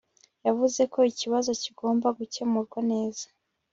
yavuze ko ikibazo kigomba gukemurwa neza